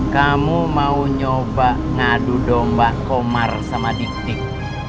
kamu mau nyoba ngadu domba komar sama diktik